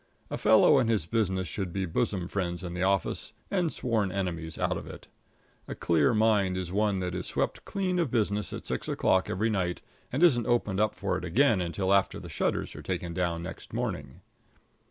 A fellow and his business should be bosom friends in the office and sworn enemies out of it. A clear mind is one that is swept clean of business at six o'clock every night and isn't opened up for it again until after the shutters are taken down next morning.